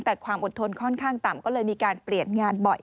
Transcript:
แต่ความอดทนค่อนข้างต่ำก็เลยมีการเปลี่ยนงานบ่อย